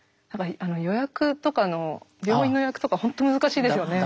予約とかの病院の予約とか本当難しいですよね。